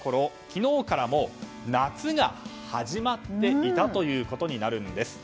昨日から、もう夏が始まっていたということになるんです。